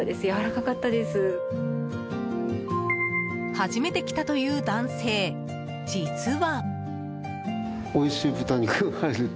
初めて来たという男性実は。